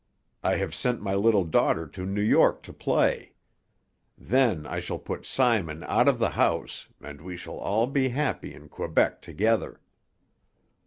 I have sent my little daughter to New York to play. Then I shall put Simon out of the house and we shall all be happy in Quebec together."